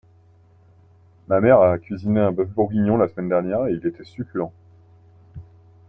Ma mère a cuisiné un boeuf bourguignon la semaine dernière et il était succulent.